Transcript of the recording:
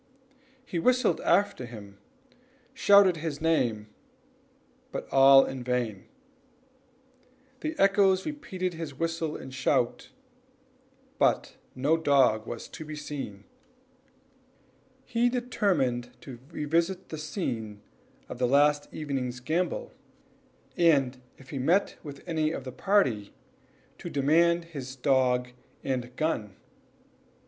He whistled after him, and shouted his name, but all in vain; the echoes repeated his whistle and shout, but no dog was to be seen. He determined to revisit the scene of the last evening's gambol, and if he met with any of the party, to demand his dog and gun.